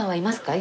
今。